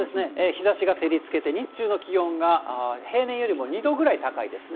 日ざしが照りつけて日中の気温が平年よりも２度ぐらい高いですね。